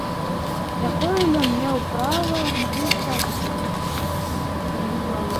Якое ён меў права маю хату чапаць?